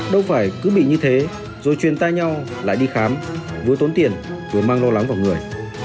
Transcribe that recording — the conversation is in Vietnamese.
đâu phải cứ bị như thế rồi truyền tay nhau lại đi khám vừa tốn tiền vừa mang lo lắng vào người